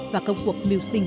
và công cuộc mưu sinh